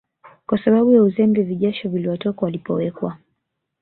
kwa sababu ya uzembe vijasho viliwatoka walipowekwa